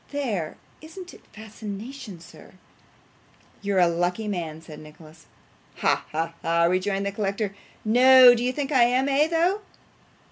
There! Isn't it fascination, sir?' 'You're a lucky man,' said Nicholas. 'Ha, ha, ha!' rejoined the collector. 'No. Do you think I am though, eh?